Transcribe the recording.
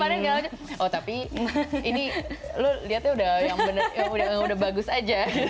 pertiapannya oh tapi ini lu liatnya udah yang bener yang udah bagus aja